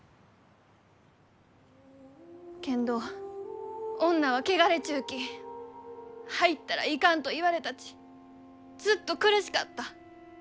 けんど「女は汚れちゅうき入ったらいかん」と言われたちずっと苦しかった。